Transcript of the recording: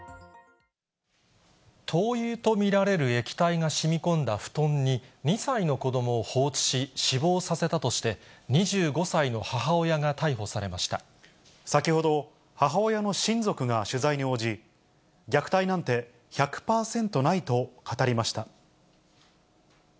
灯油と見られる液体がしみこんだ布団に、２歳の子どもを放置し、死亡させたとして、先ほど、母親の親族が取材に応じ、虐待なんて１００％ないと語りました。